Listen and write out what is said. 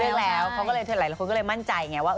เลือกแล้วเขาก็เลยเท่าที่หลายคนก็เลยมั่นใจไงว่า